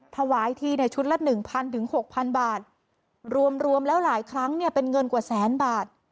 ถวายทีในชุดละหนึ่งพันถึงหกพันบาทรวมแล้วหลายครั้งเนี่ยเป็นเงินกว่าแสนบาท